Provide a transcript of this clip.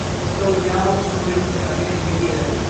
Está ubicado sobre los terraplenes de piedra.